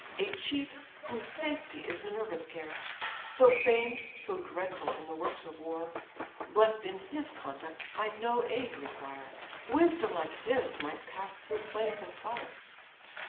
A chief, whose safety is Minerva's care; So famed, so dreadful, in the works of war: Bless'd in his conduct, I no aid require; Wisdom like his might pass through flames of fire."